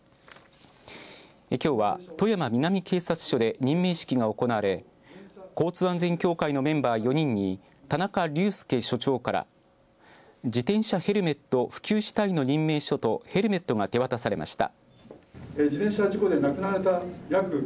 きょうは富山南警察署で任命式が行われ交通安全協会のメンバー４人に田中竜介署長から自転車ヘルメット普及し隊の任命書とヘルメットが手渡されました。